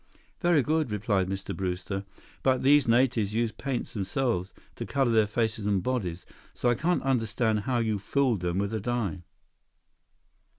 "Very good," replied Mr. Brewster. "But these natives use paints themselves to color their faces and bodies, so I can't understand how you fooled them with a dye."